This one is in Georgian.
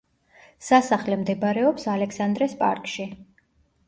სასახლე მდებარობს ალექსანდრეს პარკში.